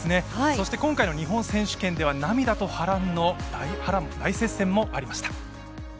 そして今回の日本選手権では涙と波乱の大接戦もありました。